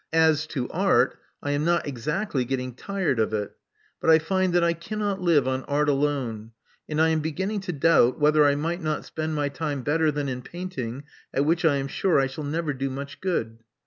As to Art, I am not exactly getting tired of it ; but I find that I cannot live on Art alone ; and I am beginning to doubt whether I might not spend my time better than in painting, at which I am sure I shall never do much good.